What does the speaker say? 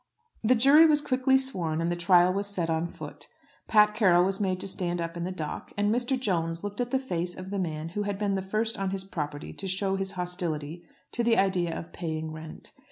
The jury was quickly sworn and the trial was set on foot. Pat Carroll was made to stand up in the dock, and Mr. Jones looked at the face of the man who had been the first on his property to show his hostility to the idea of paying rent.